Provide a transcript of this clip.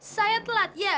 saya telat ya